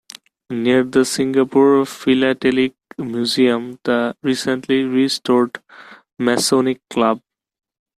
Near the Singapore Philatelic Museum, the recently restored Masonic Club.